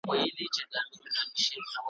ترې راوځي به مړونه ,